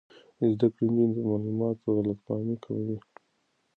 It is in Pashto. زده کړې نجونې د معلوماتو غلط فهمۍ کموي.